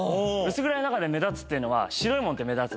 薄暗い中で目立つっていうのは白いもんって目立つの。